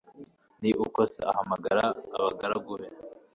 ni uko se ahamagara abagaragu be